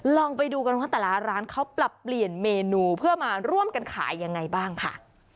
ลองไปดูกันว่าแต่ละร้านเขาปรับเปลี่ยนเมนูเพื่อมาร่วมกันขายยังไงบ้างค่ะ